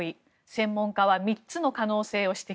専門家は３つの可能性を指摘。